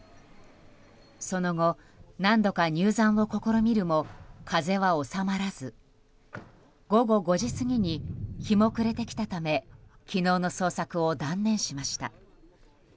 その後、何度か入山を試みるも風は収まらず午後５時過ぎに日も暮れてきたため昨日の捜索を断念しました。